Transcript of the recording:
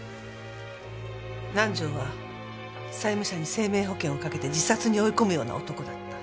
南条は債務者に生命保険をかけて自殺に追い込むような男だった。